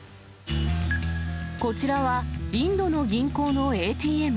こちらは、インドの銀行のＡＴＭ。